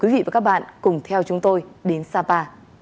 quý vị và các bạn cùng theo chúng tôi đến sapa